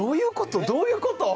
どういうこと？